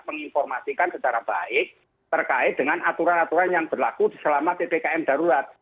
menginformasikan secara baik terkait dengan aturan aturan yang berlaku selama ppkm darurat